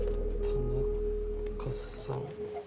田中さん